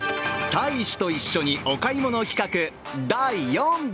大使と一緒にお買い物企画、第４弾。